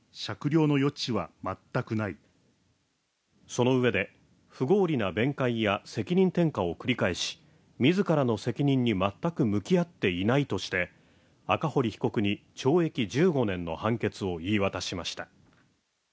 そのうえで、不合理な弁解や責任転嫁を繰り返し、自らの責任に全く向き合っていないとして赤堀被告に懲役１５年の判決を言い渡しました。